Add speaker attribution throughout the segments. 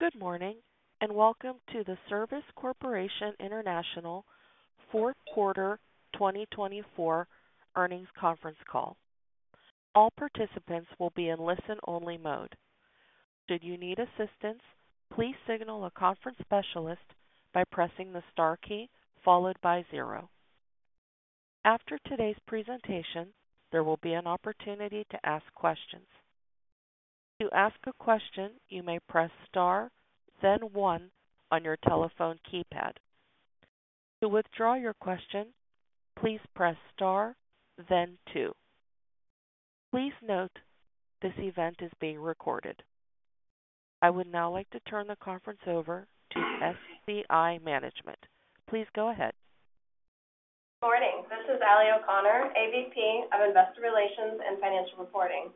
Speaker 1: Good morning and welcome to the Service Corporation International Fourth Quarter 2024 earnings conference call. All participants will be in listen-only mode. Should you need assistance, please signal a conference specialist by pressing the star key followed by zero. After today's presentation, there will be an opportunity to ask questions. To ask a question, you may press star, then one on your telephone keypad. To withdraw your question, please press star, then two. Please note this event is being recorded. I would now like to turn the conference over to SCI Management. Please go ahead.
Speaker 2: Good morning. This is Allie O'Connor, AVP of Investor Relations and Financial Reporting.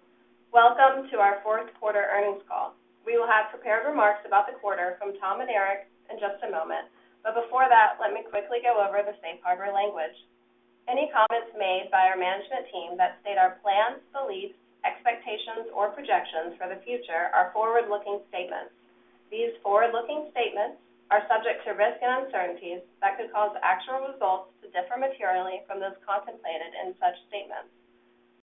Speaker 2: Welcome to our fourth quarter earnings call. We will have prepared remarks about the quarter from Tom and Eric in just a moment, but before that, let me quickly go over the safe harbor language. Any comments made by our management team that state our plans, beliefs, expectations, or projections for the future are forward-looking statements. These forward-looking statements are subject to risk and uncertainties that could cause actual results to differ materially from those contemplated in such statements.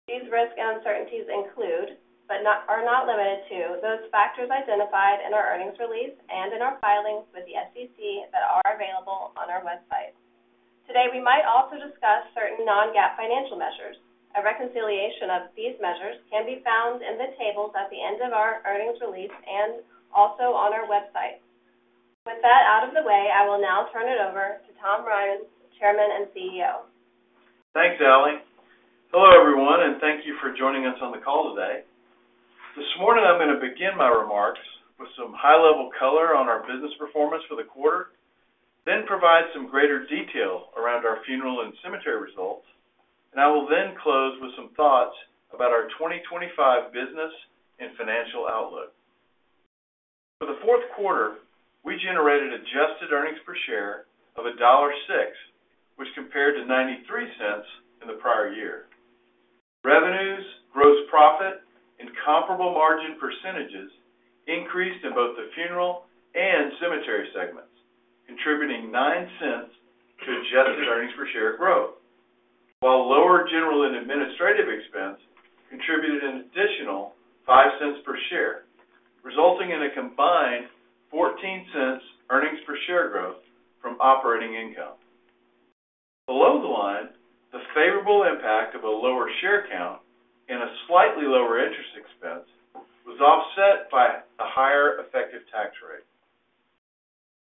Speaker 2: These risk and uncertainties include, but are not limited to, those factors identified in our earnings release and in our filings with the SEC that are available on our website. Today, we might also discuss certain non-GAAP financial measures. A reconciliation of these measures can be found in the tables at the end of our earnings release and also on our website. With that out of the way, I will now turn it over to Tom Ryan, Chairman and CEO.
Speaker 3: Thanks, Allie. Hello, everyone, and thank you for joining us on the call today. This morning, I'm going to begin my remarks with some high-level color on our business performance for the quarter, then provide some greater detail around our funeral and cemetery results, and I will then close with some thoughts about our 2025 business and financial outlook. For the fourth quarter, we generated adjusted earnings per share of $1.06, which compared to $0.93 in the prior year. Revenues, gross profit, and comparable margin percentages increased in both the funeral and cemetery segments, contributing $0.09 to adjusted earnings per share growth, while lower general and administrative expense contributed an additional $0.05 per share, resulting in a combined $0.14 earnings per share growth from operating income. Below the line, the favorable impact of a lower share count and a slightly lower interest expense was offset by a higher effective tax rate.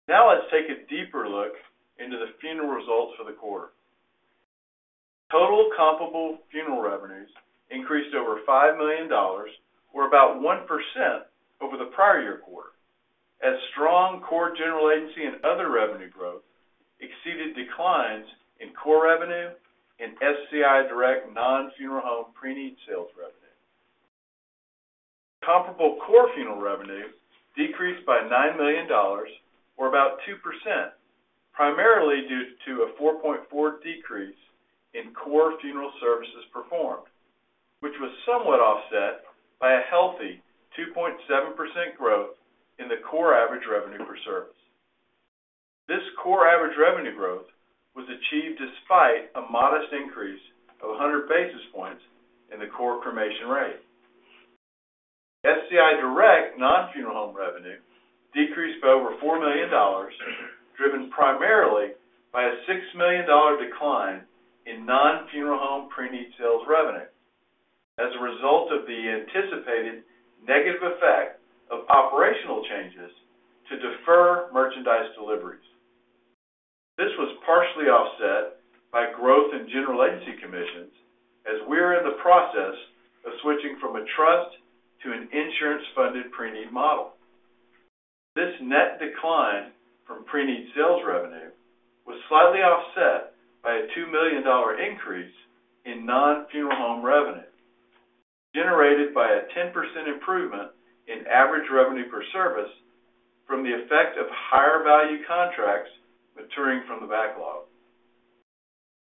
Speaker 3: Now, let's take a deeper look into the funeral results for the quarter. Total comparable funeral revenues increased over $5 million, or about 1% over the prior year quarter, as strong core general agency and other revenue growth exceeded declines in core revenue and SCI Direct non-funeral home pre-need sales revenue. Comparable core funeral revenue decreased by $9 million, or about 2%, primarily due to a 4.4% decrease in core funeral services performed, which was somewhat offset by a healthy 2.7% growth in the core average revenue per service. This core average revenue growth was achieved despite a modest increase of 100 basis points in the core cremation rate. SCI Direct non-funeral home revenue decreased by over $4 million, driven primarily by a $6 million decline in non-funeral home pre-need sales revenue as a result of the anticipated negative effect of operational changes to defer merchandise deliveries. This was partially offset by growth in general agency commissions, as we are in the process of switching from a trust to an insurance-funded pre-need model. This net decline from pre-need sales revenue was slightly offset by a $2 million increase in non-funeral home revenue generated by a 10% improvement in average revenue per service from the effect of higher value contracts maturing from the backlog.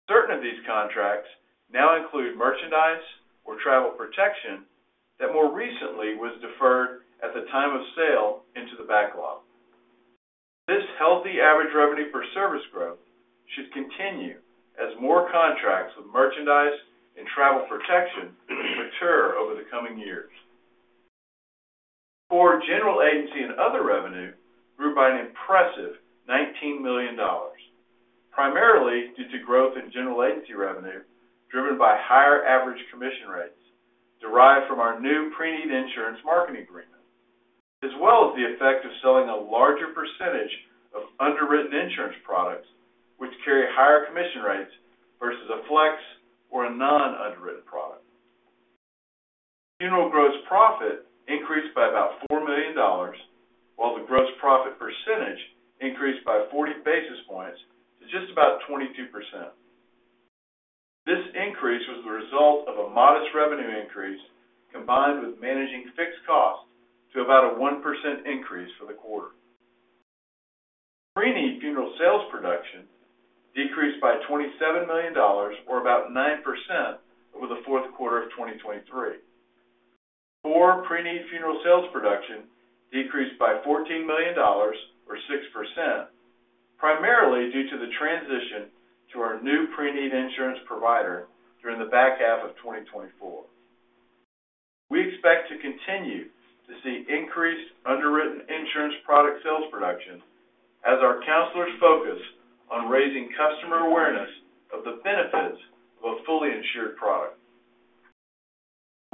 Speaker 3: Certain of these contracts now include merchandise or travel protection that more recently was deferred at the time of sale into the backlog. This healthy average revenue per service growth should continue as more contracts with merchandise and travel protection mature over the coming years. Core general agency and other revenue grew by an impressive $19 million, primarily due to growth in general agency revenue driven by higher average commission rates derived from our new pre-need insurance marketing agreement, as well as the effect of selling a larger percentage of underwritten insurance products which carry higher commission rates versus a flex or a non-underwritten product. Funeral gross profit increased by about $4 million, while the gross profit percentage increased by 40 basis points to just about 22%. This increase was the result of a modest revenue increase combined with managing fixed costs to about a 1% increase for the quarter. Pre-need funeral sales production decreased by $27 million, or about 9%, over the fourth quarter of 2023. Core pre-need funeral sales production decreased by $14 million, or 6%, primarily due to the transition to our new pre-need insurance provider during the back half of 2024. We expect to continue to see increased underwritten insurance product sales production as our counselors focus on raising customer awareness of the benefits of a fully insured product.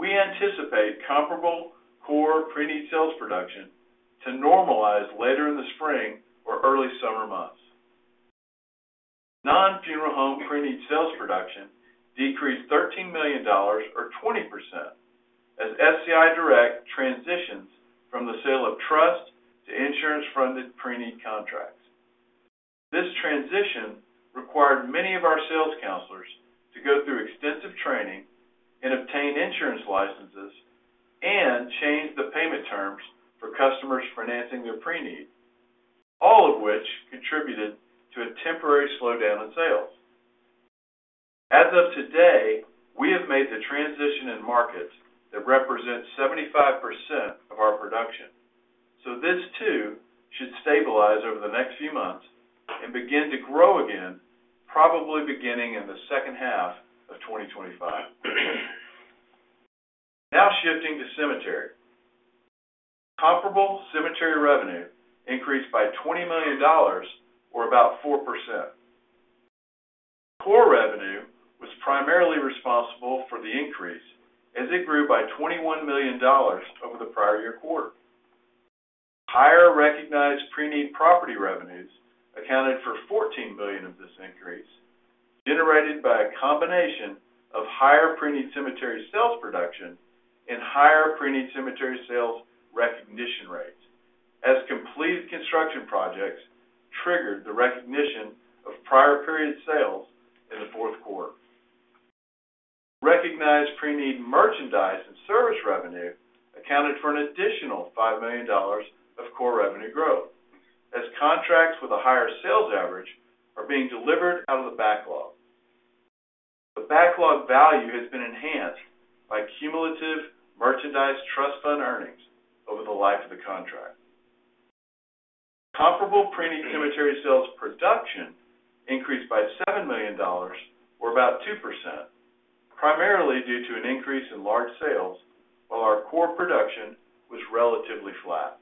Speaker 3: We anticipate comparable core pre-need sales production to normalize later in the spring or early summer months. Non-funeral home pre-need sales production decreased $13 million, or 20%, as SCI Direct transitions from the sale of trust-funded to insurance-funded pre-need contracts. This transition required many of our sales counselors to go through extensive training and obtain insurance licenses and change the payment terms for customers financing their pre-need, all of which contributed to a temporary slowdown in sales. As of today, we have made the transition in markets that represent 75% of our production, so this too should stabilize over the next few months and begin to grow again, probably beginning in the second half of 2025. Now shifting to cemetery. Comparable cemetery revenue increased by $20 million, or about 4%. Core revenue was primarily responsible for the increase as it grew by $21 million over the prior year quarter. Higher recognized pre-need property revenues accounted for $14 million of this increase, generated by a combination of higher pre-need cemetery sales production and higher pre-need cemetery sales recognition rates, as completed construction projects triggered the recognition of prior period sales in the fourth quarter. Recognized pre-need merchandise and service revenue accounted for an additional $5 million of core revenue growth, as contracts with a higher sales average are being delivered out of the backlog. The backlog value has been enhanced by cumulative merchandise trust fund earnings over the life of the contract. Comparable pre-need cemetery sales production increased by $7 million, or about 2%, primarily due to an increase in large sales, while our core production was relatively flat.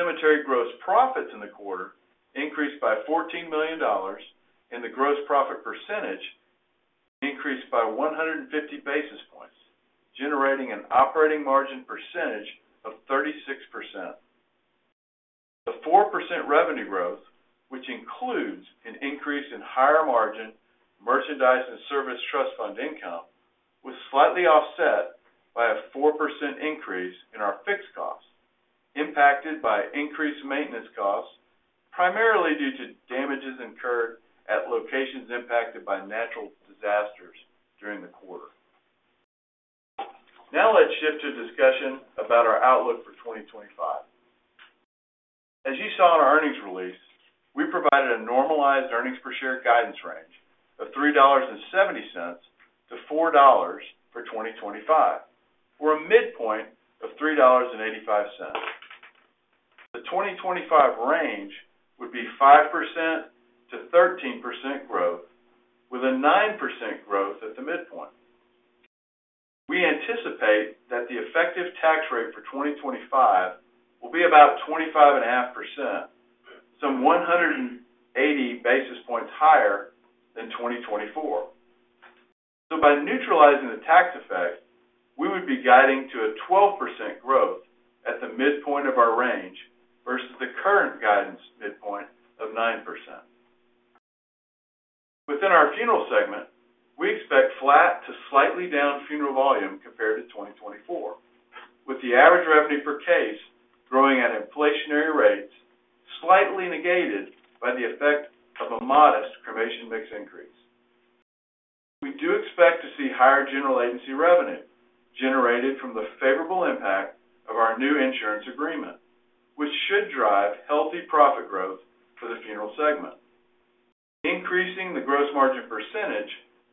Speaker 3: Cemetery gross profits in the quarter increased by $14 million, and the gross profit percentage increased by 150 basis points, generating an operating margin percentage of 36%. The 4% revenue growth, which includes an increase in higher margin merchandise and service trust fund income, was slightly offset by a 4% increase in our fixed costs, impacted by increased maintenance costs, primarily due to damages incurred at locations impacted by natural disasters during the quarter. Now let's shift to discussion about our outlook for 2025. As you saw in our earnings release, we provided a normalized earnings per share guidance range of $3.70-$4 for 2025, or a midpoint of $3.85. The 2025 range would be 5%-13% growth, with a 9% growth at the midpoint. We anticipate that the effective tax rate for 2025 will be about 25.5%, some 180 basis points higher than 2024. So by neutralizing the tax effect, we would be guiding to a 12% growth at the midpoint of our range versus the current guidance midpoint of 9%. Within our funeral segment, we expect flat to slightly down funeral volume compared to 2024, with the average revenue per case growing at inflationary rates, slightly negated by the effect of a modest cremation mix increase. We do expect to see higher General Agency revenue generated from the favorable impact of our new insurance agreement, which should drive healthy profit growth for the funeral segment, increasing the gross margin percentage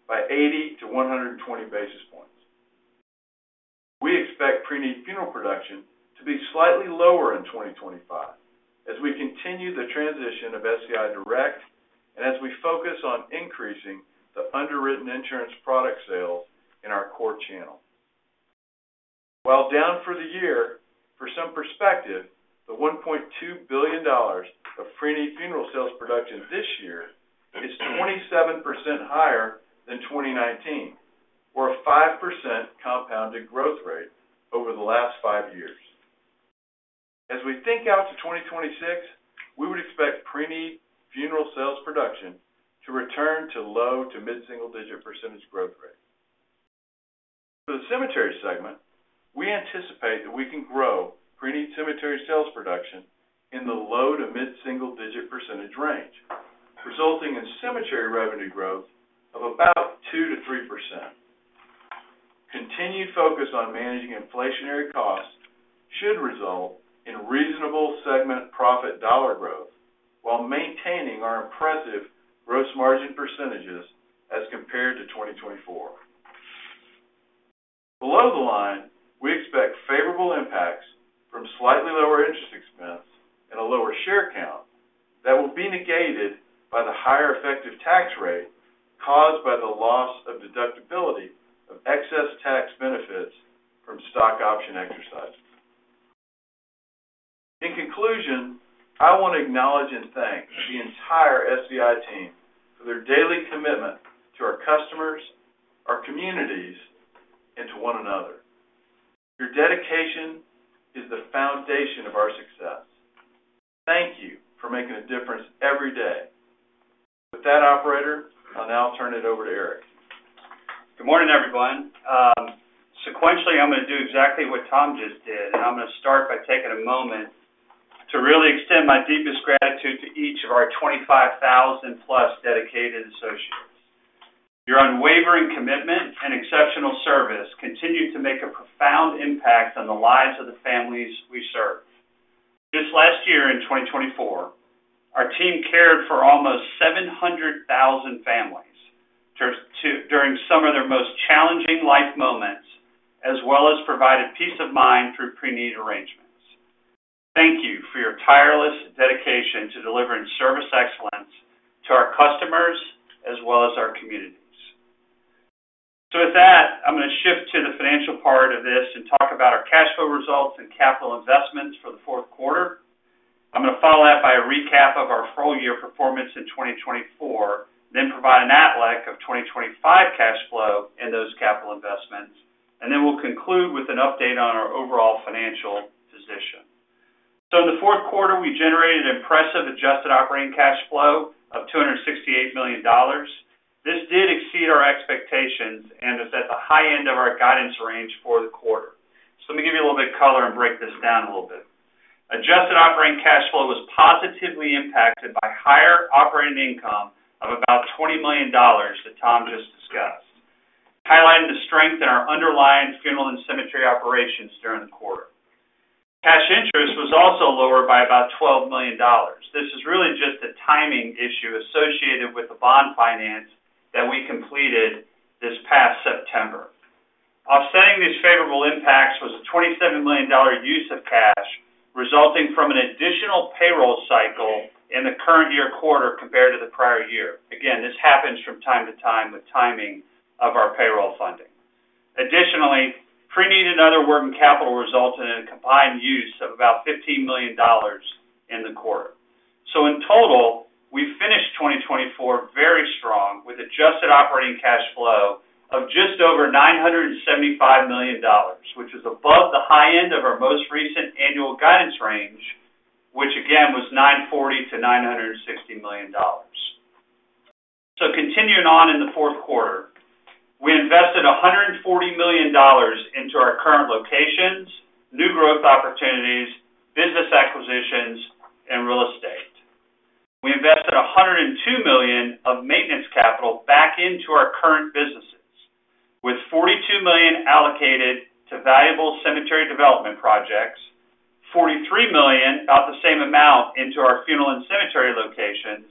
Speaker 3: by 80 to 120 basis points. We expect preneed funeral production to be slightly lower in 2025 as we continue the transition of SCI Direct and as we focus on increasing the underwritten insurance product sales in our core channel. While down for the year, for some perspective, the $1.2 billion of preneed funeral sales production this year is 27% higher than 2019, or a 5% compounded growth rate over the last five years. As we think out to 2026, we would expect preneed funeral sales production to return to low to mid-single digit percentage growth rate. For the cemetery segment, we anticipate that we can grow preneed cemetery sales production in the low to mid-single digit percentage range, resulting in cemetery revenue growth of about 2%-3%. Continued focus on managing inflationary costs should result in reasonable segment profit dollar growth while maintaining our impressive gross margin percentages as compared to 2024. Below the line, we expect favorable impacts from slightly lower interest expense and a lower share count that will be negated by the higher effective tax rate caused by the loss of deductibility of excess tax benefits from stock option exercises. In conclusion, I want to acknowledge and thank the entire SCI team for their daily commitment to our customers, our communities, and to one another. Your dedication is the foundation of our success. Thank you for making a difference every day. With that, Operator, I'll now turn it over to Eric.
Speaker 4: Good morning, everyone. Sequentially, I'm going to do exactly what Tom just did, and I'm going to start by taking a moment to really extend my deepest gratitude to each of our 25,000-plus dedicated associates. Your unwavering commitment and exceptional service continue to make a profound impact on the lives of the families we serve. This last year in 2024, our team cared for almost 700,000 families during some of their most challenging life moments, as well as provided peace of mind through pre-need arrangements. Thank you for your tireless dedication to delivering service excellence to our customers as well as our communities. So with that, I'm going to shift to the financial part of this and talk about our cash flow results and capital investments for the fourth quarter. I'm going to follow that by a recap of our full year performance in 2024, then provide an outlook of 2025 cash flow and those capital investments, and then we'll conclude with an update on our overall financial position. So in the fourth quarter, we generated impressive adjusted operating cash flow of $268 million. This did exceed our expectations and is at the high end of our guidance range for the quarter. Let me give you a little bit of color and break this down a little bit. Adjusted operating cash flow was positively impacted by higher operating income of about $20 million that Tom just discussed, highlighting the strength in our underlying funeral and cemetery operations during the quarter. Cash interest was also lower by about $12 million. This is really just a timing issue associated with the bond finance that we completed this past September. Offsetting these favorable impacts was a $27 million use of cash resulting from an additional payroll cycle in the current year quarter compared to the prior year. Again, this happens from time to time with timing of our payroll funding. Additionally, preneed and other working capital resulted in a combined use of about $15 million in the quarter. In total, we finished 2024 very strong with adjusted operating cash flow of just over $975 million, which was above the high end of our most recent annual guidance range, which again was $940 million-$960 million. Continuing on in the fourth quarter, we invested $140 million into our current locations, new growth opportunities, business acquisitions, and real estate. We invested $102 million of maintenance capital back into our current businesses, with $42 million allocated to valuable cemetery development projects, $43 million, about the same amount, into our funeral and cemetery locations,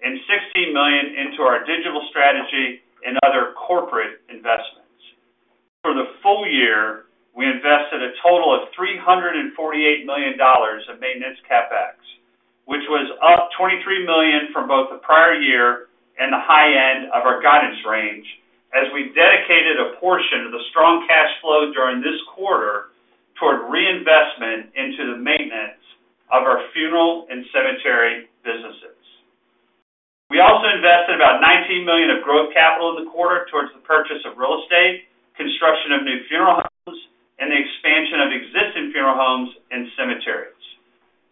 Speaker 4: and $16 million into our digital strategy and other corporate investments. For the full year, we invested a total of $348 million of maintenance CapEx, which was up $23 million from both the prior year and the high end of our guidance range, as we dedicated a portion of the strong cash flow during this quarter toward reinvestment into the maintenance of our funeral and cemetery businesses. We also invested about $19 million of growth capital in the quarter towards the purchase of real estate, construction of new funeral homes, and the expansion of existing funeral homes and cemeteries.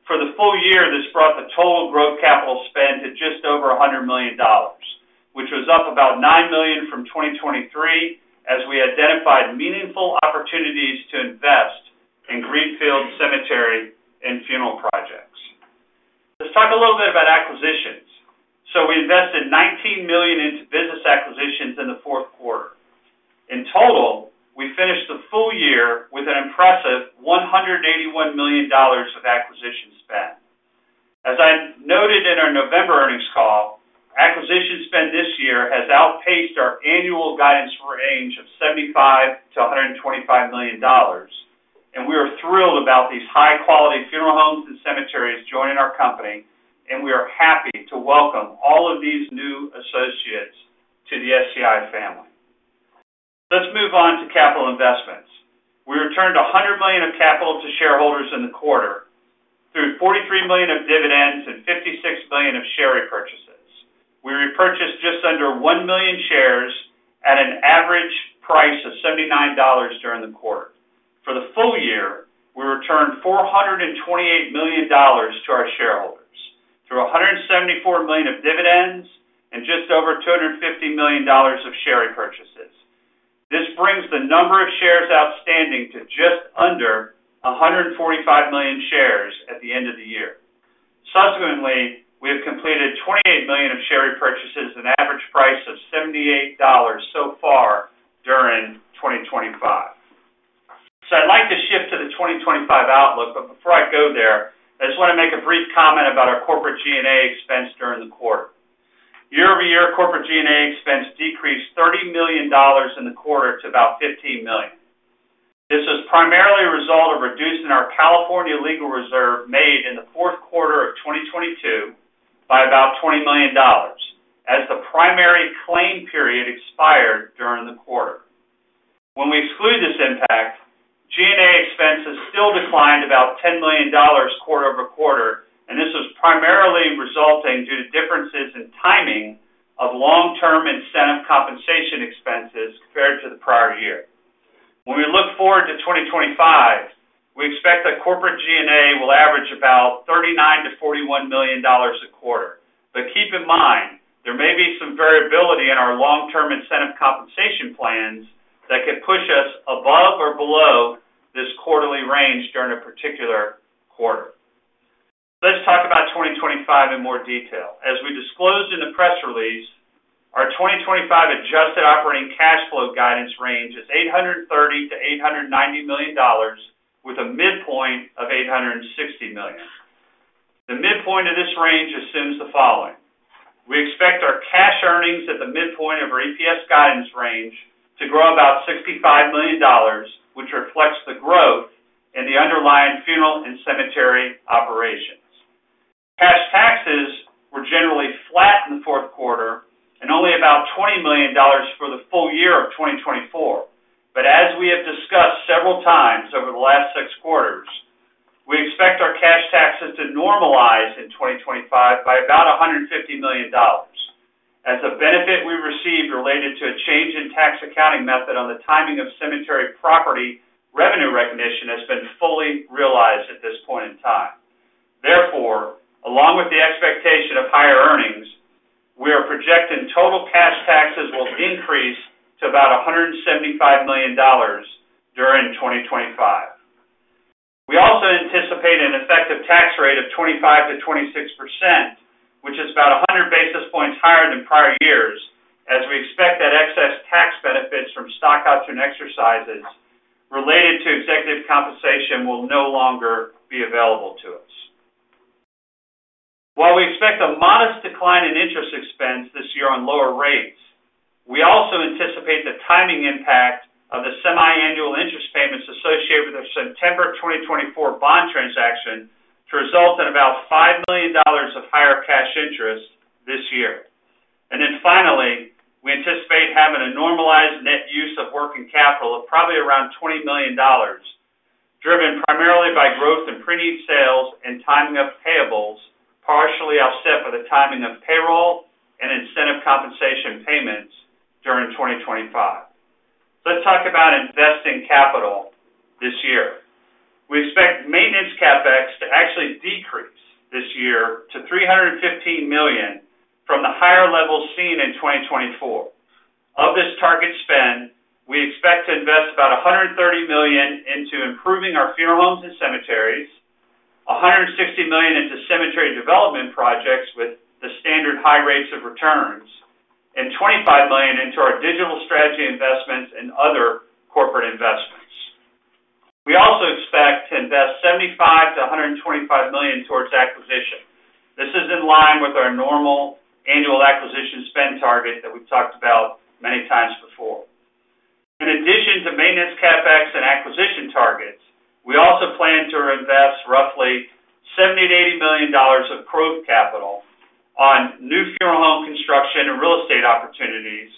Speaker 4: For the full year, this brought the total growth capital spend to just over $100 million, which was up about $9 million from 2023, as we identified meaningful opportunities to invest in greenfield cemetery and funeral projects. Let's talk a little bit about acquisitions. So we invested $19 million into business acquisitions in the fourth quarter. In total, we finished the full year with an impressive $181 million of acquisition spend. As I noted in our November earnings call, acquisition spend this year has outpaced our annual guidance range of $75 million-$125 million, and we are thrilled about these high-quality funeral homes and cemeteries joining our company, and we are happy to welcome all of these new associates to the SCI family. Let's move on to capital investments. We returned $100 million of capital to shareholders in the quarter through $43 million of dividends and $56 million of share repurchases. We repurchased just under $1 million shares at an average price of $79 during the quarter. For the full year, we returned $428 million to our shareholders through $174 million of dividends and just over $250 million of share repurchases. This brings the number of shares outstanding to just under $145 million shares at the end of the year. Subsequently, we have completed $28 million of share repurchases, an average price of $78 so far during 2025. So I'd like to shift to the 2025 outlook, but before I go there, I just want to make a brief comment about our corporate G&A expense during the quarter. Year-over-year, corporate G&A expense decreased $30 million in the quarter to about $15 million. This was primarily a result of reducing our California legal reserve made in the fourth quarter of 2022 by about $20 million, as the primary claim period expired during the quarter. When we exclude this impact, G&A expenses still declined about $10 million quarter over quarter, and this was primarily resulting due to differences in timing of long-term incentive compensation expenses compared to the prior year. When we look forward to 2025, we expect that corporate G&A will average about $39 million-$41 million a quarter. But keep in mind, there may be some variability in our long-term incentive compensation plans that could push us above or below this quarterly range during a particular quarter. Let's talk about 2025 in more detail. As we disclosed in the press release, our 2025 adjusted operating cash flow guidance range is $830 million-$890 million, with a midpoint of $860 million. The midpoint of this range assumes the following. We expect our cash earnings at the midpoint of our EPS guidance range to grow about $65 million, which reflects the growth in the underlying funeral and cemetery operations. Cash taxes were generally flat in the fourth quarter and only about $20 million for the full year of 2024. But as we have discussed several times over the last six quarters, we expect our cash taxes to normalize in 2025 by about $150 million. As a benefit we received related to a change in tax accounting method on the timing of cemetery property revenue recognition has been fully realized at this point in time. Therefore, along with the expectation of higher earnings, we are projecting total cash taxes will increase to about $175 million during 2025. We also anticipate an effective tax rate of 25%-26%, which is about 100 basis points higher than prior years, as we expect that excess tax benefits from stock option exercises related to executive compensation will no longer be available to us. While we expect a modest decline in interest expense this year on lower rates, we also anticipate the timing impact of the semi-annual interest payments associated with our September 2024 bond transaction to result in about $5 million of higher cash interest this year, and then finally, we anticipate having a normalized net use of working capital of probably around $20 million, driven primarily by growth in pre-need sales and timing of payables, partially offset by the timing of payroll and incentive compensation payments during 2025. Let's talk about investing capital this year. We expect maintenance CapEx to actually decrease this year to $315 million from the higher level seen in 2024. Of this target spend, we expect to invest about $130 million into improving our funeral homes and cemeteries, $160 million into cemetery development projects with the standard high rates of returns, and $25 million into our digital strategy investments and other corporate investments. We also expect to invest $75 million-$125 million towards acquisition. This is in line with our normal annual acquisition spend target that we've talked about many times before. In addition to maintenance CapEx and acquisition targets, we also plan to invest roughly $70 million-$80 million of growth capital on new funeral home construction and real estate opportunities,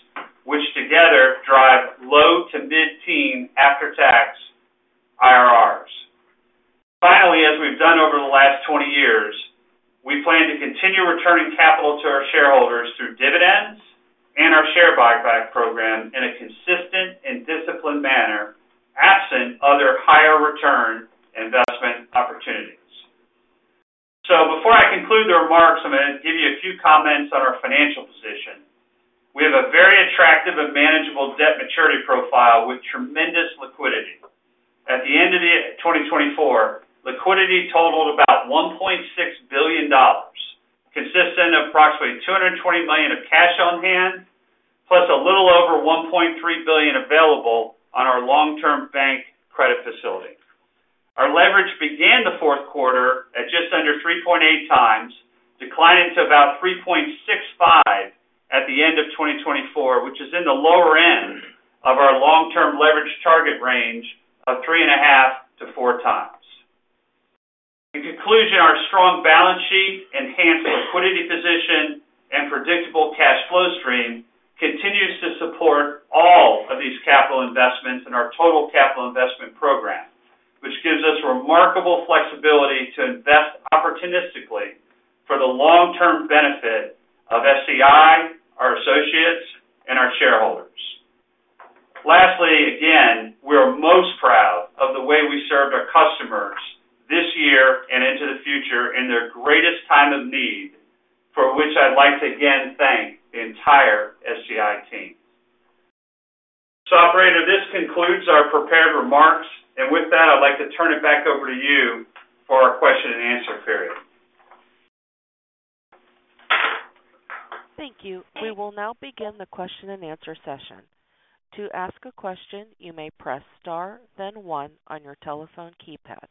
Speaker 4: which together drive low to mid-teen after-tax IRRs. Finally, as we've done over the last 20 years, we plan to continue returning capital to our shareholders through dividends and our share buyback program in a consistent and disciplined manner, absent other higher return investment opportunities. So before I conclude the remarks, I'm going to give you a few comments on our financial position. We have a very attractive and manageable debt maturity profile with tremendous liquidity. At the end of 2024, liquidity totaled about $1.6 billion, consisting of approximately $220 million of cash on hand, plus a little over $1.3 billion available on our long-term bank credit facility. Our leverage began the fourth quarter at just under 3.8 times, declining to about 3.65 at the end of 2024, which is in the lower end of our long-term leverage target range of three and a half to four times. In conclusion, our strong balance sheet, enhanced liquidity position, and predictable cash flow stream continues to support all of these capital investments in our total capital investment program, which gives us remarkable flexibility to invest opportunistically for the long-term benefit of SCI, our associates, and our shareholders. Lastly, again, we are most proud of the way we served our customers this year and into the future in their greatest time of need, for which I'd like to again thank the entire SCI team. So operator, this concludes our prepared remarks, and with that, I'd like to turn it back over to you for our question and answer period.
Speaker 1: Thank you. We will now begin the question and answer session. To ask a question, you may press star, then one on your telephone keypad.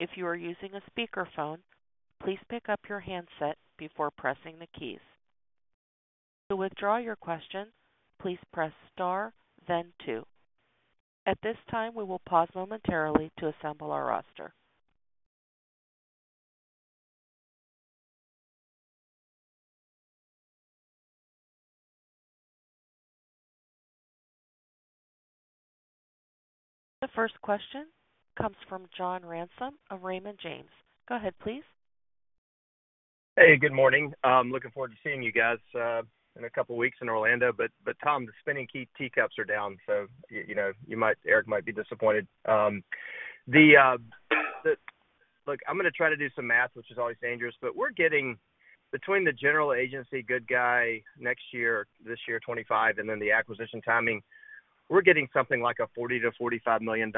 Speaker 1: If you are using a speakerphone, please pick up your handset before pressing the keys. To withdraw your question, please press star, then two. At this time, we will pause momentarily to assemble our roster. The first question comes from John Ransom of Raymond James. Go ahead, please.
Speaker 5: Hey, good morning. I'm looking forward to seeing you guys in a couple of weeks in Orlando. But Tom, the spinning tea cups are down, so you might, Eric might be disappointed. Look, I'm going to try to do some math, which is always dangerous, but we're getting between the general agency good guy next year, this year, 2025, and then the acquisition timing, we're getting something like a $40 million-$45 million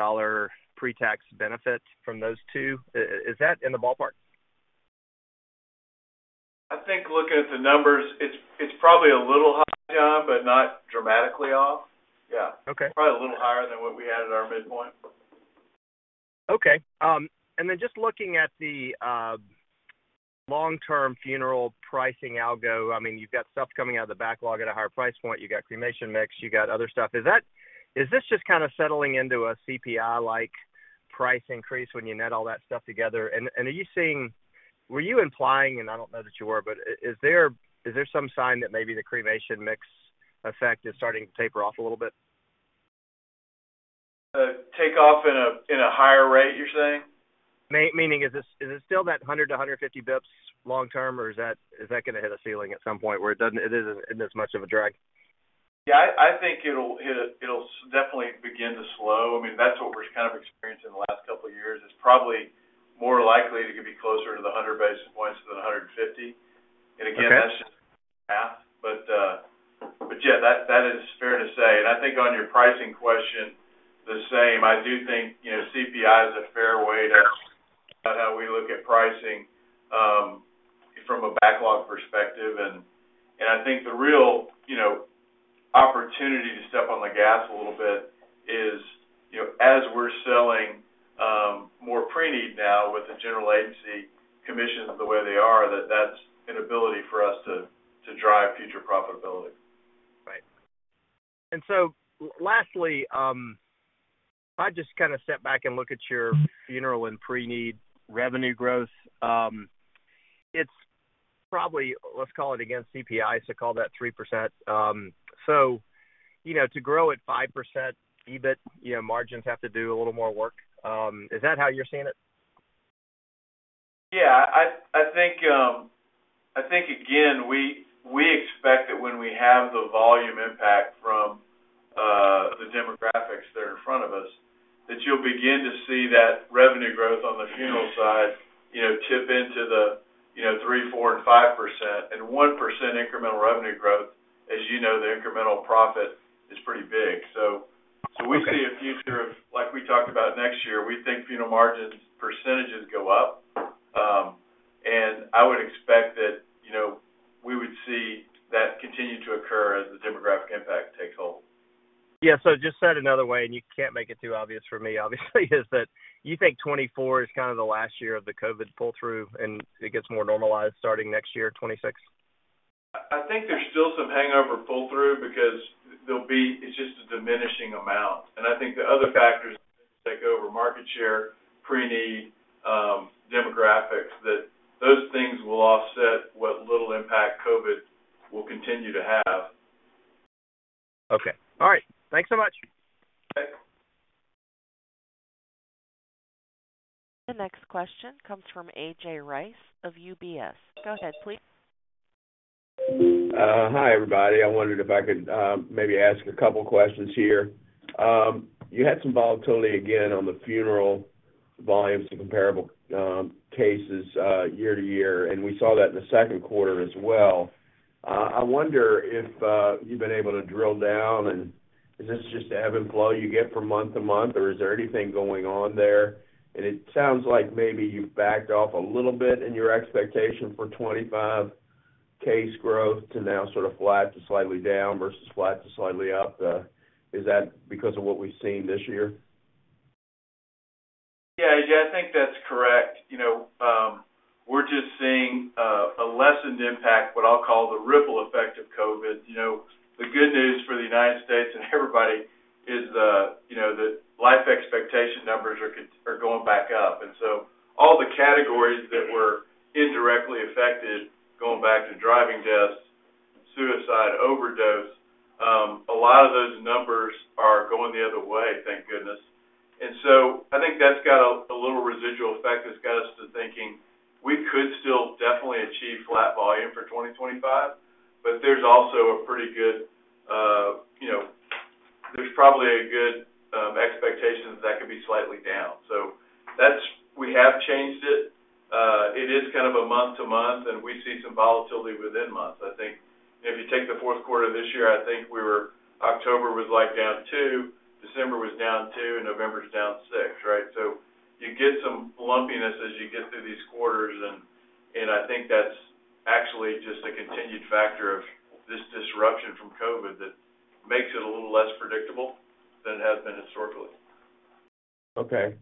Speaker 5: pre-tax benefit from those two. Is that in the ballpark?
Speaker 3: I think looking at the numbers, it's probably a little high, John, but not dramatically off. Yeah. Probably a little higher than what we had at our midpoint.
Speaker 5: Okay. And then just looking at the long-term funeral pricing algo, I mean, you've got stuff coming out of the backlog at a higher price point. You've got cremation mix. You've got other stuff. Is this just kind of settling into a CPI-like price increase when you net all that stuff together? And are you seeing, were you implying, and I don't know that you were, but is there some sign that maybe the cremation mix effect is starting to taper off a little bit?
Speaker 3: Take off in a higher rate, you're saying?
Speaker 5: Meaning, is it still that 100-150 basis points long-term, or is that going to hit a ceiling at some point where it isn't as much of a drag?
Speaker 3: Yeah, I think it'll definitely begin to slow. I mean, that's what we're kind of experiencing the last couple of years. It's probably more likely to be closer to the 100 basis points than 150. And again, that's just math. But yeah, that is fair to say. And I think on your pricing question, the same. I do think CPI is a fair way to how we look at pricing from a backlog perspective. And I think the real opportunity to step on the gas a little bit is, as we're selling more pre-need now with the general agency commissions the way they are, that that's an ability for us to drive future profitability.
Speaker 5: Right. And so lastly, if I just kind of step back and look at your funeral and pre-need revenue growth, it's probably, let's call it against CPI, so call that 3%. So to grow at 5% EBIT, margins have to do a little more work. Is that how you're seeing it?
Speaker 3: Yeah. I think, again, we expect that when we have the volume impact from the demographics that are in front of us, that you'll begin to see that revenue growth on the funeral side tip into the 3%, 4%, and 5%, and 1% incremental revenue growth, as you know, the incremental profit is pretty big. So we see a future of, like we talked about next year, we think funeral margins percentages go up, and I would expect that we would see that continue to occur as the demographic impact takes hold.
Speaker 5: Yeah. So just said another way, and you can't make it too obvious for me, obviously, is that you think 2024 is kind of the last year of the COVID pull-through, and it gets more normalized starting next year, 2026?
Speaker 3: I think there's still some hangover pull-through because it's just a diminishing amount. And I think the other factors take over: market share, pre-need, demographics, that those things will offset what little impact COVID will continue to have.
Speaker 5: Okay. All right. Thanks so much.
Speaker 3: Okay.
Speaker 1: The next question comes from A.J. Rice of UBS. Go ahead, please.
Speaker 6: Hi, everybody. I wondered if I could maybe ask a couple of questions here. You had some volatility again on the funeral volumes and comparable cases year to year, and we saw that in the second quarter as well. I wonder if you've been able to drill down, and is this just the ebb and flow you get from month to month, or is there anything going on there, and it sounds like maybe you've backed off a little bit in your expectation for 2025 case growth to now sort of flat to slightly down versus flat to slightly up. Is that because of what we've seen this year?
Speaker 3: Yeah, A.J., I think that's correct. We're just seeing a lessened impact, what I'll call the ripple effect of COVID. The good news for the United States and everybody is that life expectancy numbers are going back up. And so all the categories that were indirectly affected, going back to driving deaths, suicide, overdose, a lot of those numbers are going the other way, thank goodness. And so I think that's got a little residual effect that's got us to thinking we could still definitely achieve flat volume for 2025, but there's also a pretty good, there's probably a good expectation that that could be slightly down. So we have changed it. It is kind of a month to month, and we see some volatility within months. I think if you take the fourth quarter of this year, I think October was down two, December was down two, and November's down six, right? So you get some lumpiness as you get through these quarters, and I think that's actually just a continued factor of this disruption from COVID that makes it a little less predictable than it has been historically.
Speaker 6: Okay.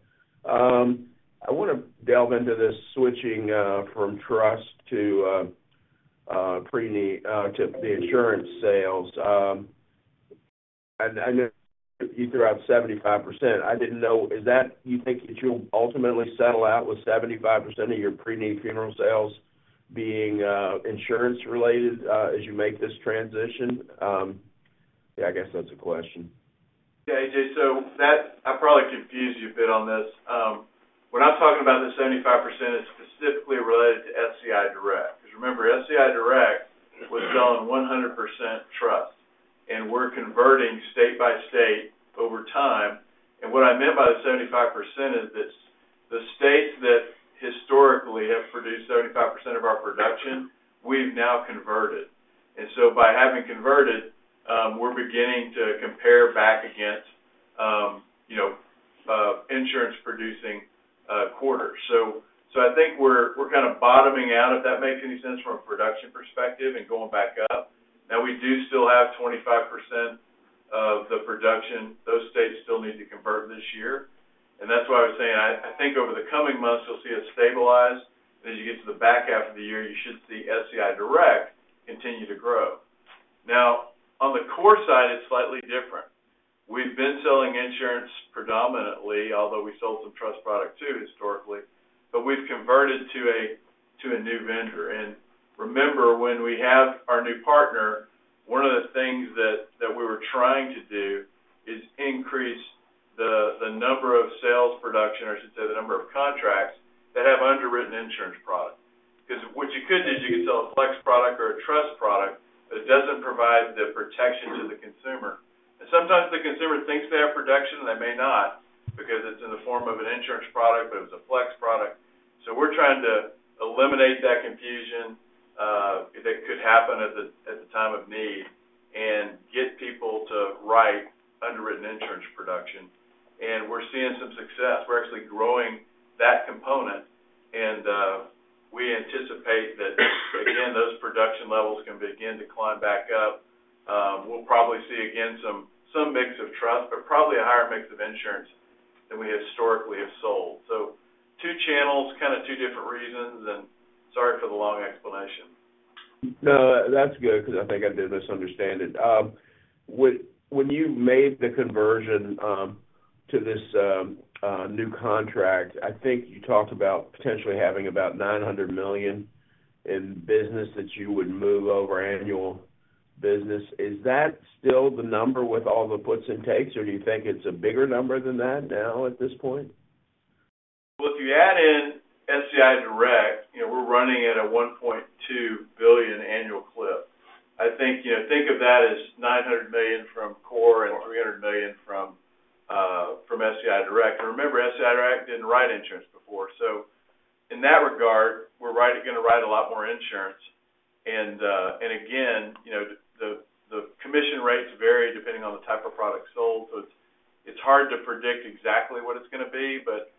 Speaker 6: I want to delve into this switching from trust to pre-need to the insurance sales. I know you threw out 75%. I didn't know, is that you think that you'll ultimately settle out with 75% of your pre-need funeral sales being insurance-related as you make this transition? Yeah, I guess that's a question.
Speaker 3: Yeah, A.J., so I probably confused you a bit on this. When I'm talking about the 75%, it's specifically related to SCI Direct. Because remember, SCI Direct was selling 100% trust, and we're converting state by state over time. And what I meant by the 75% is that the states that historically have produced 75% of our production, we've now converted. And so by having converted, we're beginning to compare back against insurance-producing quarters. So I think we're kind of bottoming out, if that makes any sense, from a production perspective and going back up. Now, we do still have 25% of the production. Those states still need to convert this year. And that's why I was saying, I think over the coming months, you'll see it stabilize. And as you get to the back half of the year, you should see SCI Direct continue to grow. Now, on the core side, it's slightly different. We've been selling insurance predominantly, although we sold some trust product too historically, but we've converted to a new vendor. And remember, when we have our new partner, one of the things that we were trying to do is increase the number of sales production, or I should say the number of contracts that have underwritten insurance product. Because what you could do is you could sell a flex product or a trust product, but it doesn't provide the protection to the consumer. And sometimes the consumer thinks they have production, and they may not because it's in the form of an insurance product, but it's a flex product. So we're trying to eliminate that confusion that could happen at the time of need and get people to write underwritten insurance production. And we're seeing some success. We're actually growing that component, and we anticipate that, again, those production levels can begin to climb back up. We'll probably see, again, some mix of trust, but probably a higher mix of insurance than we historically have sold. So two channels, kind of two different reasons, and sorry for the long explanation.
Speaker 6: No, that's good because I think I did misunderstand it. When you made the conversion to this new contract, I think you talked about potentially having about $900 million in business that you would move over annual business. Is that still the number with all the puts and takes, or do you think it's a bigger number than that now at this point?
Speaker 3: If you add in SCI Direct, we're running at a $1.2 billion annual clip. I think of that as $900 million from core and $300 million from SCI Direct. And remember, SCI Direct didn't write insurance before. So in that regard, we're going to write a lot more insurance. And again, the commission rates vary depending on the type of product sold. So it's hard to predict exactly what it's going to be, but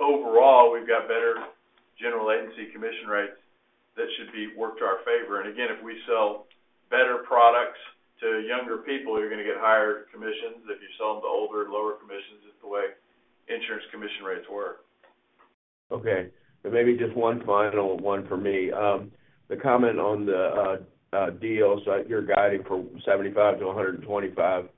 Speaker 3: overall, we've got better general agency commission rates that should be worked to our favor. And again, if we sell better products to younger people, you're going to get higher commissions. If you sell them to older and lower commissions, it's the way insurance commission rates work.
Speaker 6: Okay. And maybe just one final one for me. The comment on the deals that you're guiding for 75-125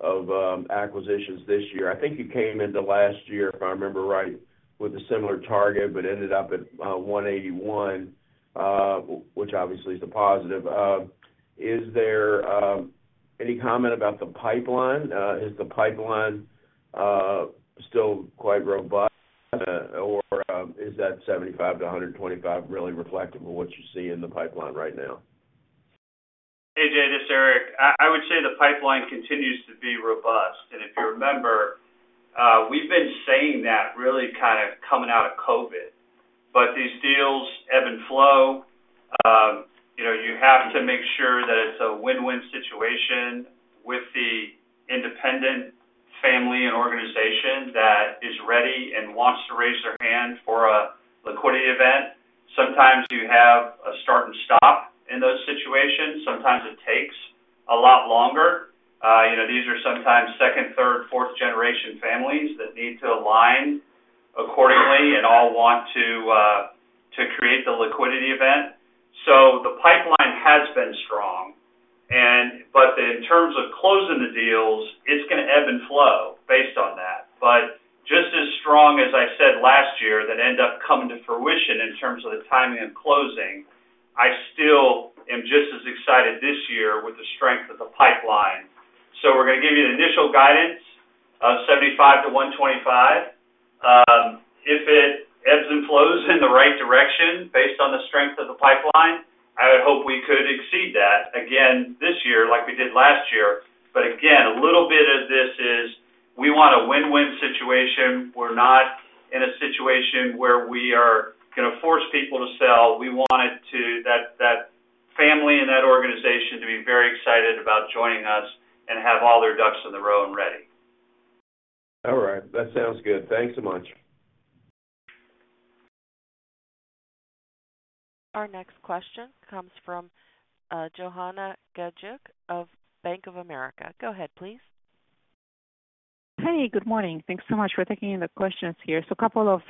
Speaker 6: of acquisitions this year, I think you came into last year, if I remember right, with a similar target, but ended up at 181, which obviously is a positive. Is there any comment about the pipeline? Is the pipeline still quite robust, or is that 75-125 really reflective of what you see in the pipeline right now?
Speaker 4: A.J., this is Eric. I would say the pipeline continues to be robust. And if you remember, we've been saying that really kind of coming out of COVID. But these deals ebb and flow. You have to make sure that it's a win-win situation with the independent family and organization that is ready and wants to raise their hand for a liquidity event. Sometimes you have a start and stop in those situations. Sometimes it takes a lot longer. These are sometimes second, third, fourth-generation families that need to align accordingly and all want to create the liquidity event. So the pipeline has been strong. But in terms of closing the deals, it's going to ebb and flow based on that. But just as strong, as I said last year, that ended up coming to fruition in terms of the timing of closing. I still am just as excited this year with the strength of the pipeline. So we're going to give you the initial guidance of 75-125. If it ebbs and flows in the right direction based on the strength of the pipeline, I would hope we could exceed that again this year, like we did last year. But again, a little bit of this is we want a win-win situation. We're not in a situation where we are going to force people to sell. We want that family and that organization to be very excited about joining us and have all their ducks in a row and ready.
Speaker 6: All right. That sounds good. Thanks so much.
Speaker 1: Our next question comes from Joanna Gajuk of Bank of America. Go ahead, please.
Speaker 7: Hey, good morning. Thanks so much for taking the questions here. So a couple of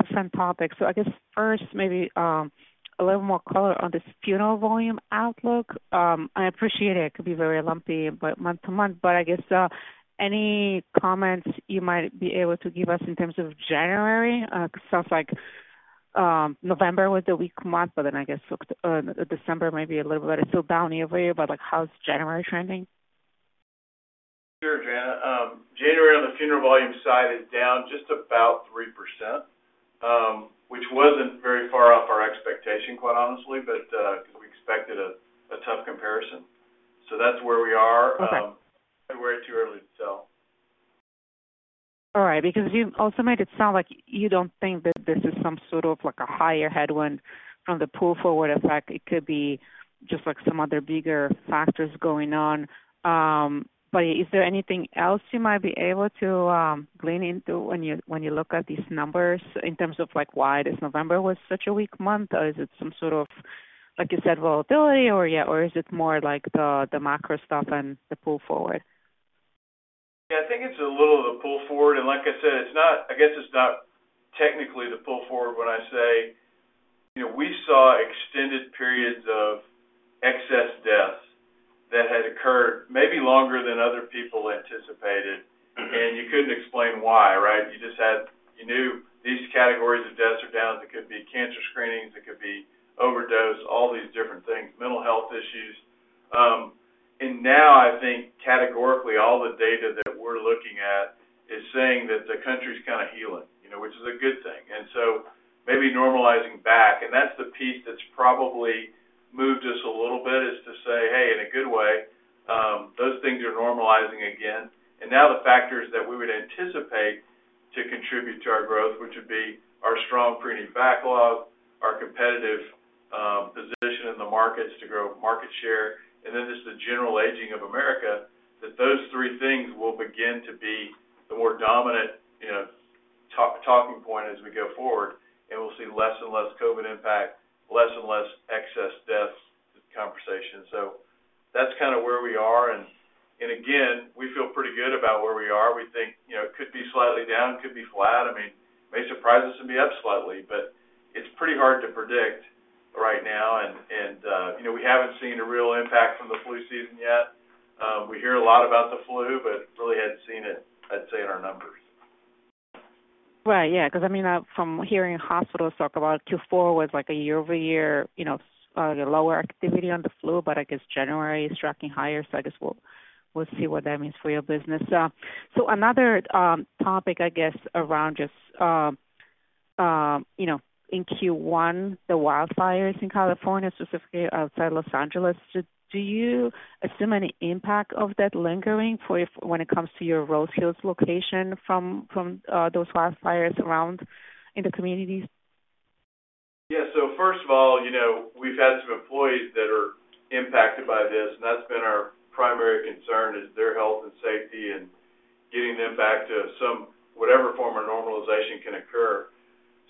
Speaker 7: different topics. So I guess first, maybe a little more color on this funeral volume outlook. I appreciate it. It could be very lumpy month to month, but I guess any comments you might be able to give us in terms of January? It sounds like November was the weak month, but then I guess December may be a little better. So down year-over-year, but how's January trending?
Speaker 3: Sure, Joanna. January on the funeral volume side is down just about 3%, which wasn't very far off our expectation, quite honestly, because we expected a tough comparison. So that's where we are. February too early to tell.
Speaker 7: All right. Because you also made it sound like you don't think that this is some sort of a higher headwind from the pull-forward effect. It could be just some other bigger factors going on. But is there anything else you might be able to glean into when you look at these numbers in terms of why this November was such a weak month? Or is it some sort of, like you said, volatility? Or is it more like the macro stuff and the pull-forward?
Speaker 3: Yeah, I think it's a little of the pull-forward. And like I said, I guess it's not technically the pull-forward when I say we saw extended periods of excess deaths that had occurred maybe longer than other people anticipated, and you couldn't explain why, right? You knew these categories of deaths are down. It could be cancer screenings. It could be overdose, all these different things, mental health issues. And now, I think categorically, all the data that we're looking at is saying that the country's kind of healing, which is a good thing. And so maybe normalizing back. And that's the piece that's probably moved us a little bit is to say, "Hey, in a good way, those things are normalizing again." And now the factors that we would anticipate to contribute to our growth, which would be our strong pre-need backlog, our competitive position in the markets to grow market share, and then just the general aging of America, that those three things will begin to be the more dominant talking point as we go forward. And we'll see less and less COVID impact, less and less excess deaths conversation. So that's kind of where we are. And again, we feel pretty good about where we are. We think it could be slightly down, could be flat. I mean, it may surprise us to be up slightly, but it's pretty hard to predict right now. And we haven't seen a real impact from the flu season yet. We hear a lot about the flu, but really hadn't seen it, I'd say, in our numbers.
Speaker 7: Right. Yeah. Because, I mean, from hearing hospitals talk about Q4 was a year-over-year lower activity on the flu, but I guess January is tracking higher. So I guess we'll see what that means for your business. So another topic, I guess, around just in Q1, the wildfires in California, specifically outside Los Angeles. Do you assume any impact of that lingering when it comes to your Rose Hills location from those wildfires around in the communities?
Speaker 3: Yeah, so first of all, we've had some employees that are impacted by this, and that's been our primary concern: their health and safety and getting them back to whatever form of normalization can occur,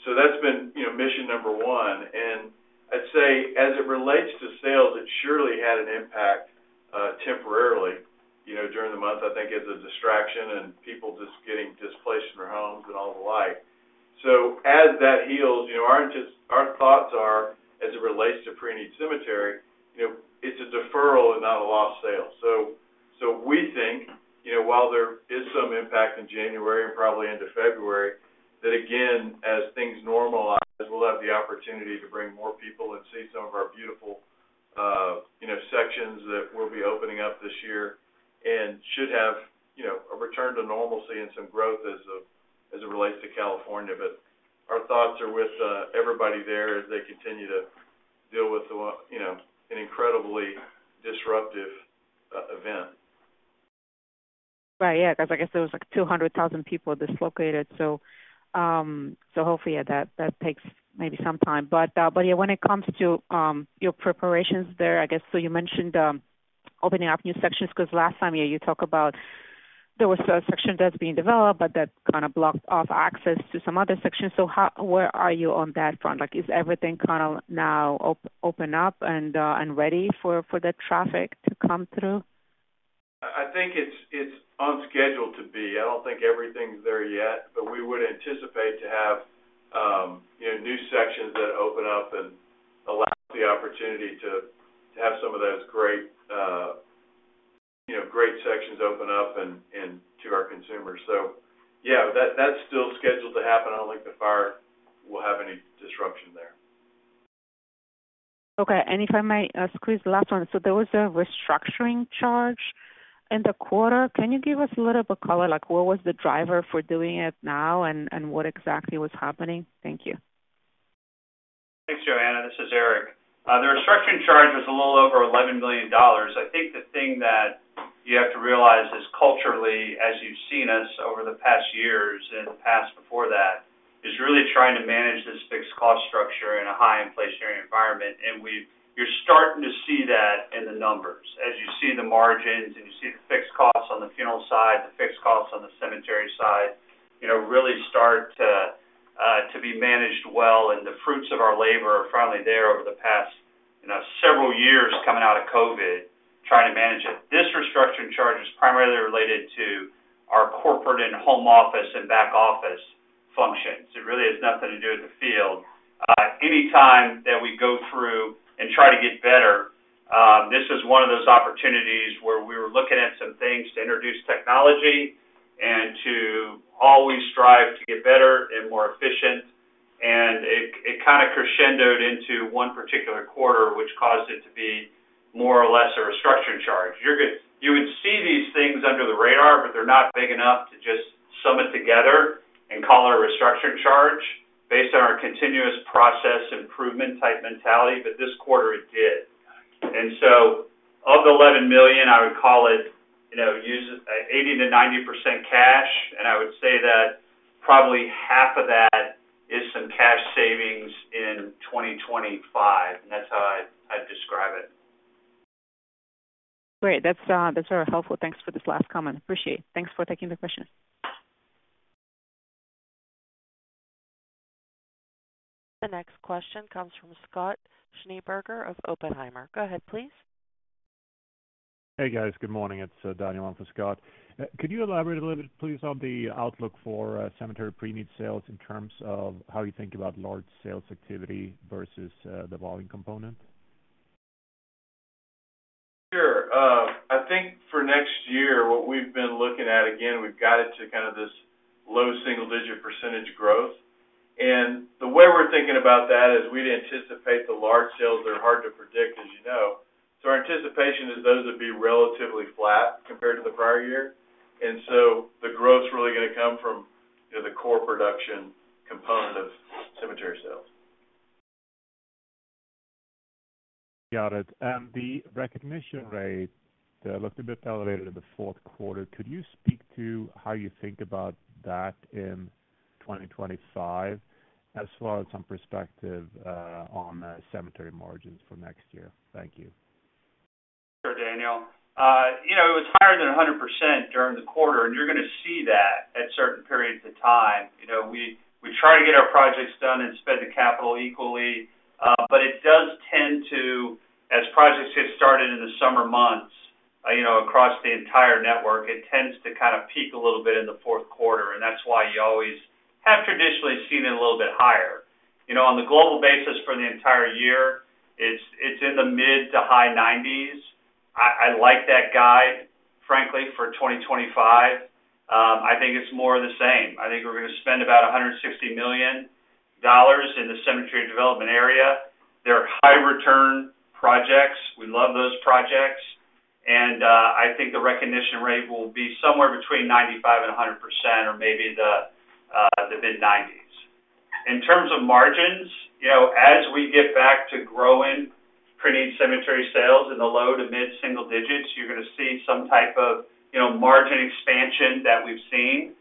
Speaker 3: so that's been mission number one, and I'd say as it relates to sales, it surely had an impact temporarily during the month, I think, as a distraction and people just getting displaced from their homes and all the like, so as that heals, our thoughts are, as it relates to pre-need cemetery, it's a deferral and not a lost sale. So we think while there is some impact in January and probably into February, that again, as things normalize, we'll have the opportunity to bring more people and see some of our beautiful sections that we'll be opening up this year and should have a return to normalcy and some growth as it relates to California. But our thoughts are with everybody there as they continue to deal with an incredibly disruptive event.
Speaker 7: Right. Yeah. Because like I said, it was like 200,000 people dislocated. So hopefully, yeah, that takes maybe some time. But yeah, when it comes to your preparations there, I guess, so you mentioned opening up new sections because last time you talked about there was a section that's being developed, but that kind of blocked off access to some other sections. So where are you on that front? Is everything kind of now open up and ready for the traffic to come through?
Speaker 3: I think it's on schedule to be. I don't think everything's there yet, but we would anticipate to have new sections that open up and allow the opportunity to have some of those great sections open up to our consumers. So yeah, that's still scheduled to happen. I don't think the fire will have any disruption there.
Speaker 7: Okay. And if I may squeeze the last one. So there was a restructuring charge in the quarter. Can you give us a little bit of color? What was the driver for doing it now and what exactly was happening? Thank you.
Speaker 4: Thanks, Joanna. This is Eric. The restructuring charge was a little over $11 million. I think the thing that you have to realize is culturally, as you've seen us over the past years and in the past before that, is really trying to manage this fixed cost structure in a high-inflationary environment. You're starting to see that in the numbers. As you see the margins and you see the fixed costs on the funeral side, the fixed costs on the cemetery side really start to be managed well. The fruits of our labor are finally there over the past several years coming out of COVID, trying to manage it. This restructuring charge is primarily related to our corporate and home office and back office functions. It really has nothing to do with the field. Anytime that we go through and try to get better, this is one of those opportunities where we were looking at some things to introduce technology and to always strive to get better and more efficient. And it kind of crescendoed into one particular quarter, which caused it to be more or less a restructuring charge. You would see these things under the radar, but they're not big enough to just sum it together and call it a restructuring charge based on our continuous process improvement type mentality. But this quarter, it did. And so of the $11 million, I would call it 80%-90% cash. And I would say that probably half of that is some cash savings in 2025. And that's how I'd describe it.
Speaker 7: Great. That's very helpful. Thanks for this last comment. Appreciate it. Thanks for taking the question.
Speaker 1: The next question comes from Scott Schneeberger of Oppenheimer. Go ahead, please.
Speaker 8: Hey, guys. Good morning. It's Donnie on for Scott. Could you elaborate a little bit, please, on the outlook for cemetery pre-need sales in terms of how you think about large sales activity versus the volume component?
Speaker 3: Sure. I think for next year, what we've been looking at, again, we've got it to kind of this low single-digit % growth, and the way we're thinking about that is we'd anticipate the large sales are hard to predict, as you know. So our anticipation is those would be relatively flat compared to the prior year, and so the growth's really going to come from the core production component of cemetery sales.
Speaker 8: Got it. And the recognition rate looked a bit elevated in the fourth quarter. Could you speak to how you think about that in 2025 as far as some perspective on cemetery margins for next year? Thank you.
Speaker 3: Sure, Daniel. It was higher than 100% during the quarter, and you're going to see that at certain periods of time. We try to get our projects done and spread the capital equally. But it does tend to, as projects get started in the summer months across the entire network, it tends to kind of peak a little bit in the fourth quarter. And that's why you always have traditionally seen it a little bit higher. On the global basis for the entire year, it's in the mid- to high-90s. I like that guide, frankly, for 2025. I think it's more of the same. I think we're going to spend about $160 million in the cemetery development area. They're high-return projects. We love those projects. And I think the recognition rate will be somewhere between 95%-100% or maybe the mid-90s. In terms of margins, as we get back to growing pre-need cemetery sales in the low to mid single digits, you're going to see some type of margin expansion that we've seen.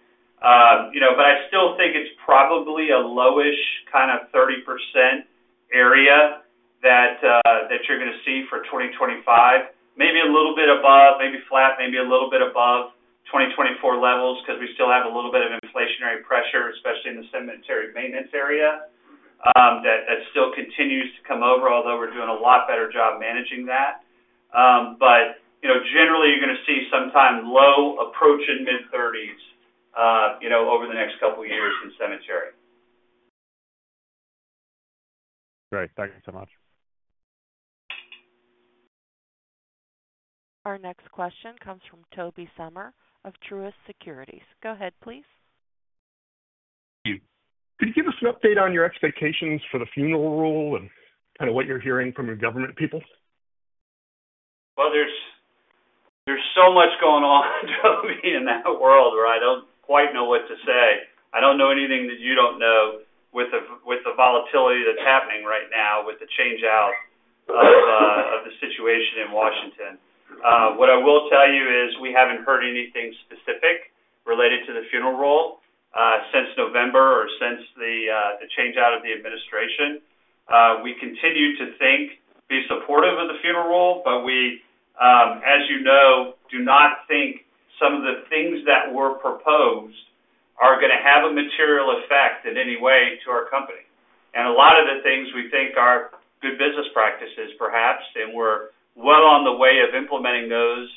Speaker 3: But I still think it's probably a lowish kind of 30% area that you're going to see for 2025. Maybe a little bit above, maybe flat, maybe a little bit above 2024 levels because we still have a little bit of inflationary pressure, especially in the cemetery maintenance area, that still continues to come over, although we're doing a lot better job managing that. But generally, you're going to see sometime low approaching mid-30s over the next couple of years in cemetery.
Speaker 8: Great. Thank you so much.
Speaker 1: Our next question comes from Tobey Sommer of Truist Securities. Go ahead, please.
Speaker 9: Thank you. Could you give us an update on your expectations for the Funeral Rule and kind of what you're hearing from your government people?
Speaker 3: There's so much going on, Tobey, in that world where I don't quite know what to say. I don't know anything that you don't know with the volatility that's happening right now with the change out of the situation in Washington. What I will tell you is we haven't heard anything specific related to the Funeral Rule since November or since the change out of the administration. We continue to think, be supportive of the Funeral Rule, but we, as you know, do not think some of the things that were proposed are going to have a material effect in any way to our company. A lot of the things we think are good business practices, perhaps, and we're well on the way of implementing those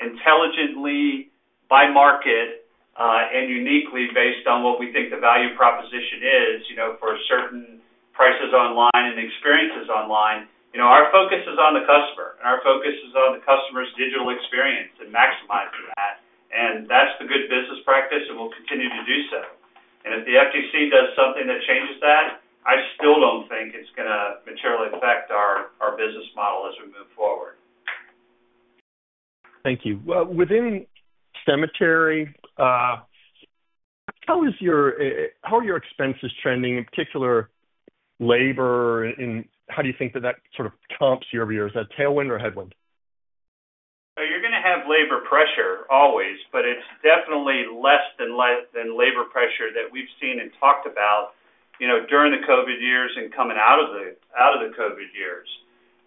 Speaker 3: intelligently by market and uniquely based on what we think the value proposition is for certain prices online and experiences online. Our focus is on the customer, and our focus is on the customer's digital experience and maximizing that, and that's the good business practice, and we'll continue to do so, and if the FTC does something that changes that, I still don't think it's going to materially affect our business model as we move forward.
Speaker 9: Thank you. Within cemetery, how are your expenses trending, in particular labor? And how do you think that that sort of comps year over year? Is that tailwind or headwind?
Speaker 3: You're going to have labor pressure always, but it's definitely less than labor pressure that we've seen and talked about during the COVID years and coming out of the COVID years.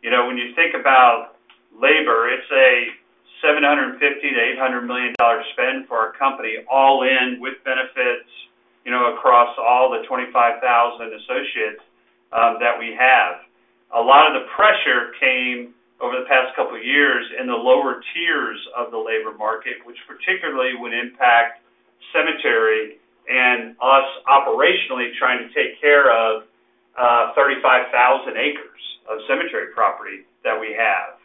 Speaker 3: When you think about labor, it's a $750-$800 million spend for our company all in with benefits across all the 25,000 associates that we have. A lot of the pressure came over the past couple of years in the lower tiers of the labor market, which particularly would impact cemetery and us operationally trying to take care of 35,000 acres of cemetery property that we have.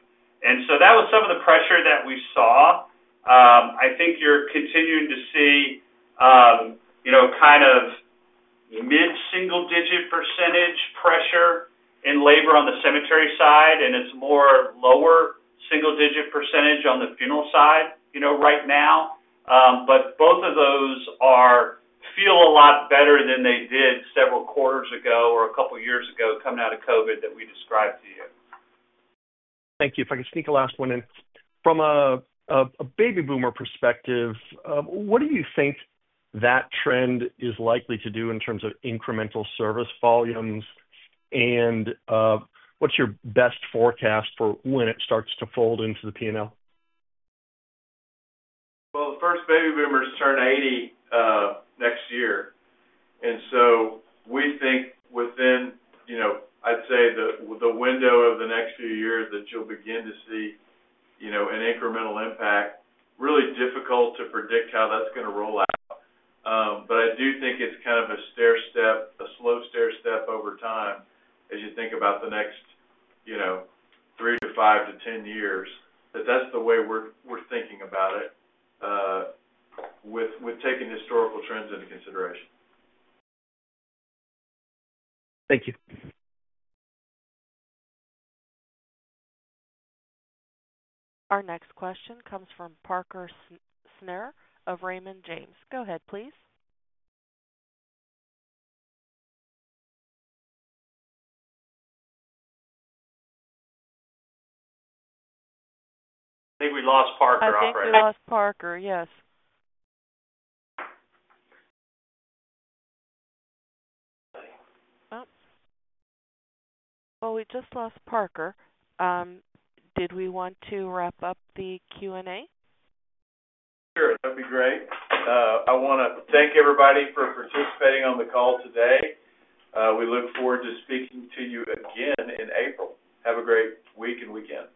Speaker 3: And so that was some of the pressure that we saw. I think you're continuing to see kind of mid-single-digit % pressure in labor on the cemetery side, and it's more lower single-digit % on the funeral side right now. But both of those feel a lot better than they did several quarters ago or a couple of years ago coming out of COVID that we described to you.
Speaker 9: Thank you. If I could sneak a last one in. From a baby boomer perspective, what do you think that trend is likely to do in terms of incremental service volumes? And what's your best forecast for when it starts to fold into the P&L?
Speaker 3: The first baby boomers turn 80 next year. We think within, I'd say, the window of the next few years that you'll begin to see an incremental impact. Really difficult to predict how that's going to roll out. I do think it's kind of a slow stair step over time as you think about the next three to five to 10 years, that that's the way we're thinking about it with taking historical trends into consideration.
Speaker 9: Thank you.
Speaker 1: Our next question comes from Parker Snure of Raymond James. Go ahead, please.
Speaker 3: I think we lost Parker.
Speaker 1: We lost Parker, yes. Well, we just lost Parker. Did we want to wrap up the Q&A?
Speaker 3: Sure. That'd be great. I want to thank everybody for participating on the call today. We look forward to speaking to you again in April. Have a great week and weekend.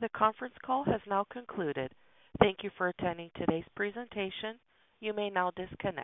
Speaker 1: The conference call has now concluded. Thank you for attending today's presentation. You may now disconnect.